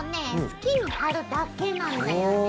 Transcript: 好きに貼るだけなんだよね。